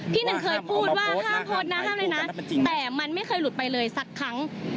พี่หนึ่งเคยพูดว่าห้ามโพสต์นะห้ามเลยนะแต่มันไม่เคยหลุดไปเลยสักครั้ง